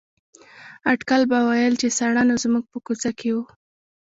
اټکل به ویل چې ساړه نو زموږ په کوڅه کې وو.